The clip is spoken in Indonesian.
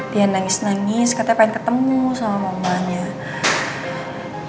dia nangis nangis katanya pengen nyari